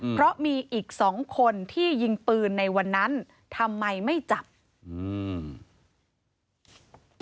เพราะมีอีกสองคนที่ยิงปืนในวันนั้นทำไมไม่จับอืม